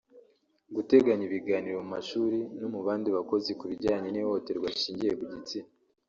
Guteganya ibiganiro mu mashuri no mu bandi bakozi ku bijyanye n’ihohoterwa rishingiye ku gitsina